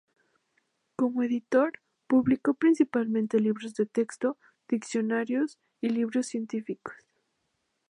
Como editor, publicó principalmente libros de texto, diccionarios y libros científicos.